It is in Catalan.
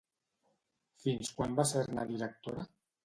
Fins quan va ser-ne la directora?